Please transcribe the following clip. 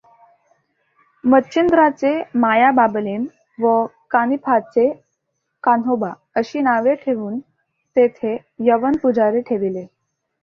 मच्छिंद्राचें मायाबाबलेन व कानिफाचें कान्होबा अशी नांवें ठेवून तेथें यवन पुजारी ठेविले.